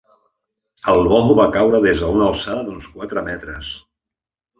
El bou va caure des d’una alçada d’uns quatre metres.